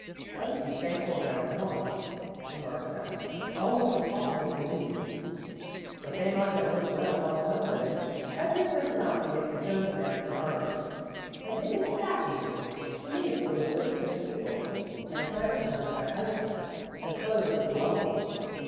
"Let us be thankful they're not," remarked Madame. "It's almost impossible to believe it, but they must have looked well upon some women. Every personality makes its own demand for harmony and it is fascinating to me to observe strange people and plan for them their houses and clothes and belongings.